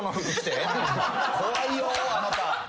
怖いよあなた。